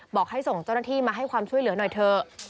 บอกให้ส่งเจ้าหน้าที่มาให้ความช่วยเหลือหน่อยเถอะ